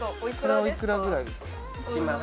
これおいくらぐらいですか？